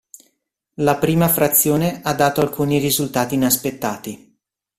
La prima frazione ha dato alcuni risultati inaspettati.